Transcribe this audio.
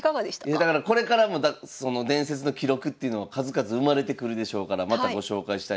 だからこれからもその伝説の記録っていうのは数々生まれてくるでしょうからまたご紹介したい。